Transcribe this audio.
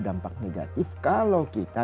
dampak negatif kalau kita